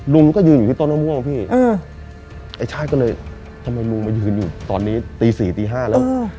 ลุงก็ยืนอยู่ที่ต้นมะม่วงพี่ไอ้ชาติก็เลยทำไมลุงมายืนอยู่ตอนนี้ตีสี่ตีห้าแล้ว